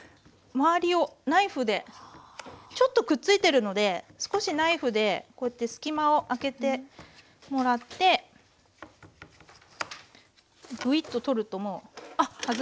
周りをナイフでちょっとくっついてるので少しナイフでこうやって隙間を空けてもらってグイッと取るともう外れますからね。